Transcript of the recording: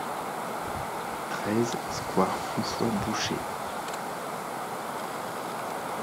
treize square François Boucher